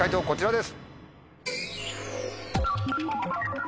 こちらです。